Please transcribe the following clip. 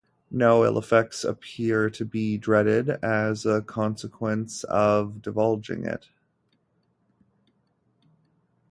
No ill effects appear to be dreaded as a consequence of divulging it.